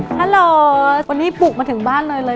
ฮัลโหลวันนี้บุกมาถึงบ้านเลยเลย